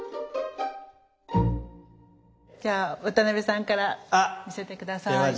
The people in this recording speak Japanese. じゃあ渡辺さんから見せて下さい。